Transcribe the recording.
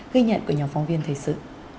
ghi nhận của nhóm phóng viên thầy sự